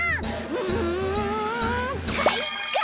うんかいか！